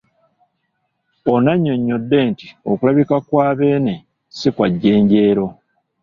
Ono annyonnyodde nti okulabika kwa Beene ssi kwa jjenjeero.